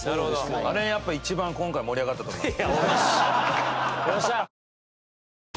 あれやっぱ一番今回盛り上がったと思います。